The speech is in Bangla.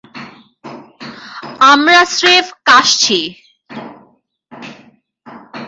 আমরা স্রেফ কাশছি।